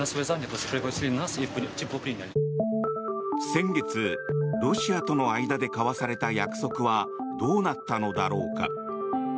先月ロシアとの間で交わされた約束はどうなったのだろうか。